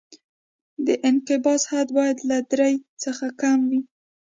د انقباض حد باید له درې څخه کم وي